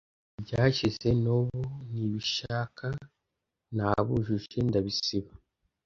Ibihe byashize nubu nibishaka - Nabujuje , ndabisiba,